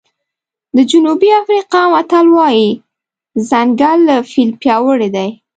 د جنوبي افریقا متل وایي ځنګل له فیل پیاوړی دی.